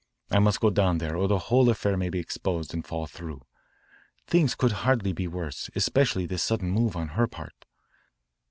I must go down there or the whole affair may be exposed and fall through. Things could hardly be worse, especially this sudden move on her part."